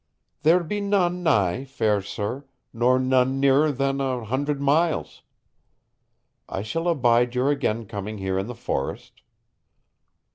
"There be none nigh, fair sir, nor none nearer than an hundred miles. I shall abide your again coming here in the forest."